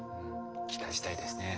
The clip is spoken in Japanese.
期待したいですね。